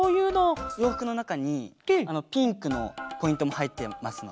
ようふくのなかにピンクのポイントもはいってますので。